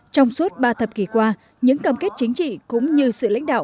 trong suốt ba thập kỷ qua những cam kết chính trị cũng như sự lãnh đạo